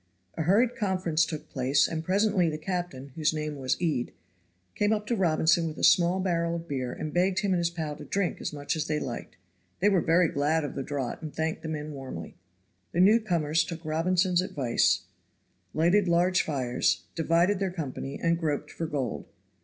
A hurried conference took place, and presently the captain, whose name was Ede, came up to Robinson with a small barrel of beer and begged him and his pal to drink as much as they liked. They were very glad of the draught and thanked the men warmly. The newcomers took Robinson's advice, lighted large fires, divided their company, and groped for gold.